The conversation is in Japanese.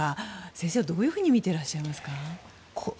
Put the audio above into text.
先生はどのように見ていらっしゃいますか。